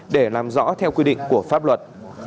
để làm rõ theo quy định của pháp luật